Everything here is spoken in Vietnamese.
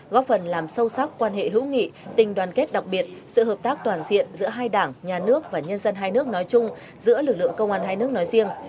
góp phần làm sâu sắc quan hệ hữu nghị tình đoàn kết đặc biệt sự hợp tác toàn diện giữa hai đảng nhà nước và nhân dân hai nước nói chung giữa lực lượng công an hai nước nói riêng